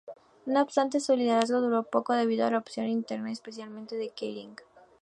No obstante su liderazgo duró poco debido a la oposición interna, especialmente de Keating.